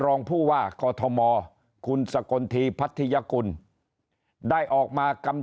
รองผู้ว่ากอทมคุณสกลทีพัทยกุลได้ออกมากำ